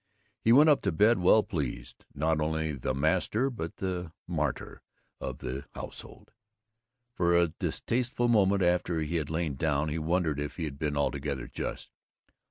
He went up to bed well pleased, not only the master but the martyr of the household. For a distasteful moment after he had lain down he wondered if he had been altogether just.